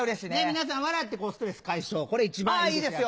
皆さん笑ってストレス解消これ一番いいですよ